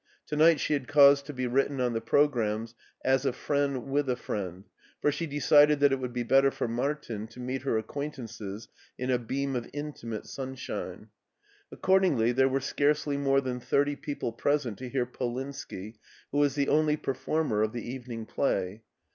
To night she had caused to be writ ten on the programmes, " As a friend with a friend,'* for she decided that it would be better for Martin to meet her acquaintances in a beam of intimate sun shine. Accordingly there were scarcely more than thirty people present to hear Polinski, who was the only performer of the evening, play.